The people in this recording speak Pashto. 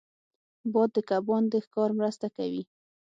باد د کبان د ښکار مرسته کوي